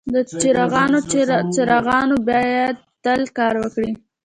د چراغونو څراغونه باید تل کار وکړي.